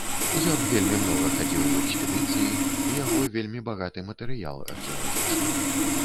Ён вельмі многа хадзіў у экспедыцыі, у яго вельмі багаты матэрыял археалагічны.